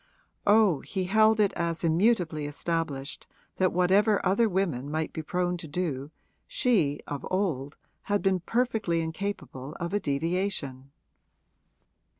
Oh, he held it as immutably established that whatever other women might be prone to do she, of old, had been perfectly incapable of a deviation.